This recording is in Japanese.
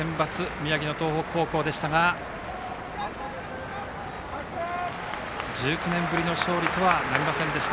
宮城の東北高校でしたが１９年ぶりの勝利とはなりませんでした。